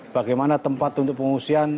bagaimana tempat untuk pengungsian